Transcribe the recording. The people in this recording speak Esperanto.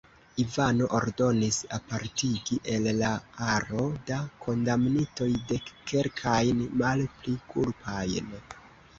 Ivano ordonis apartigi el la aro da kondamnitoj dekkelkajn malpli kulpajn.